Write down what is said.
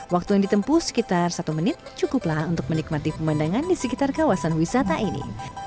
waktu yang ditempuh sekitar satu menit cukuplah untuk menikmati pemandangan di sekitar kawasan wisata ini